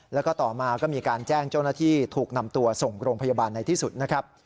แล้วก็ต่อมาก็มีการแจ้งเจ้าหน้าที่ถูกนำตัวส่งโรงพยาบาลในที่สุดนะครับ